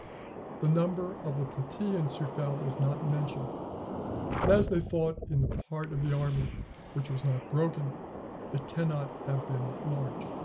The number of the Platæans who fell is not mentioned; but, as they fought in the part of the army which was not broken, it cannot have been large.